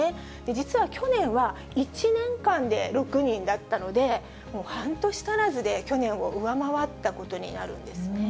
実は去年は１年間で６人だったので、半年足らずで去年を上回ったことになるんです。